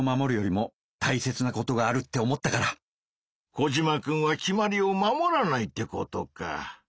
コジマくんは決まりを守らないってことか。